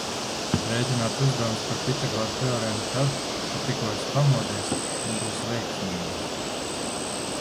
Rēķināt uzdevumus par Pitagora teorēmu, tad, kad tikko esi pamodies nebūs veiksmīgi.